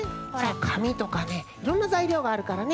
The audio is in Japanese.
かみとかねいろんなざいりょうがあるからね。